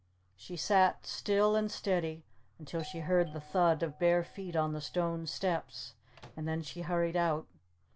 She sat still and steady until she heard the thud of bare feet on the stone steps, and then she hurried out.